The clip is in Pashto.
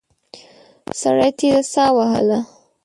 سړي تېزه ساه وهله.